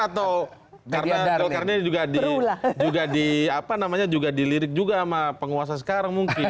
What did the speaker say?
atau karena golkar ini juga dilirik juga sama penguasa sekarang mungkin